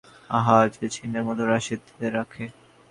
বিনোদিনী কহিল, আমার এমন কী আছে, যাহা চিহ্নের মতো কাছে রাখিতে পার?